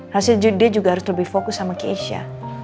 harusnya dia juga harus lebih fokus sama keisha